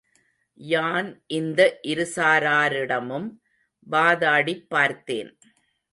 யான் இந்த இருசாராரிடமும் வாதாடிப் பார்த்தேன்.